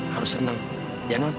harus senang ya non